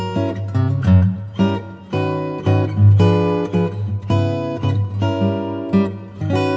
bukannya aku nelson